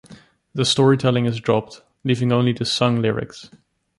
The storytelling is dropped, leaving only the sung lyrics.